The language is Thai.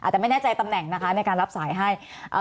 แต่ไม่แน่ใจตำแหน่งนะคะในการรับสายให้